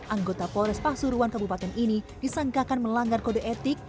anggota polres pasuruan kabupaten ini disangkakan melanggar kode etik